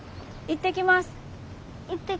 行ってきます。